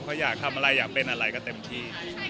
เขาอยากทำอะไรอยากเป็นอะไรก็เต็มที่